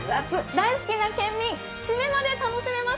大好きな県民、シメまで楽しめます。